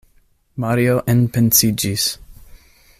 Mario enpensiĝis.